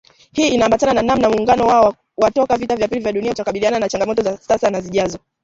Hii inambatana na namna muungano wao wa toka vita vya pili vya dunia utakabiliana na changamoto za sasa na zijazo